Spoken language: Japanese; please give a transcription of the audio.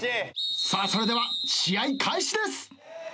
さあそれでは試合開始です。